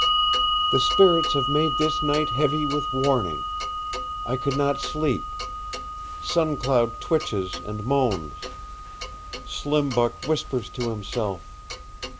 "The spirits have made this night heavy with warning. I could not sleep. Sun Cloud twitches and moans. Slim Buck whispers to himself.